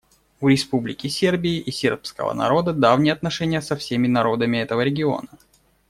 У Республики Сербии и сербского народа давние отношения со всеми народами этого региона.